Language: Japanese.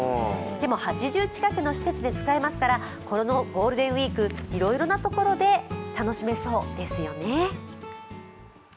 でも８０近くの施設で使えますからこのゴールデンウイークいろいろなところで楽しめそうですよね。